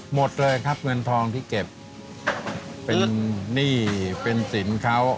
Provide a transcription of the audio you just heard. หมดเลยครับเงินทองที่เก็บเป็นหนี้เป็นสินเขา